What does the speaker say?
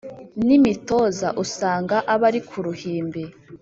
N ' imitoza usanga abari ku ruhimbi